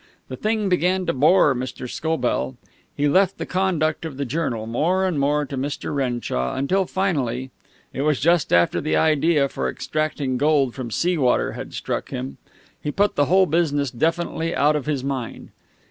The thing began to bore Mr. Scobell. He left the conduct of the journal more and more to Mr. Renshaw, until finally it was just after the idea for extracting gold from sea water had struck him he put the whole business definitely out of his mind.